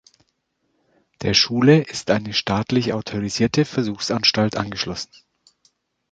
Der Schule ist eine staatlich autorisierte Versuchsanstalt angeschlossen.